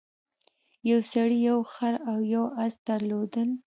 یو سړي یو خر او یو اس درلودل.